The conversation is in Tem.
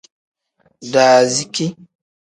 Daaziki.